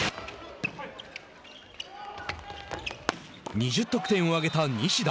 ２０得点を挙げた西田。